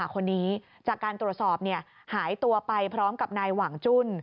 คนนี้จากการตรวจสอบหายตัวไปพร้อมกับนายหว่างจุ้น